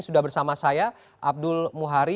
sudah bersama saya abdul muhari